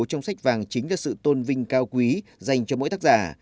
trong sách vàng chính là sự tôn vinh cao quý dành cho mỗi tác giả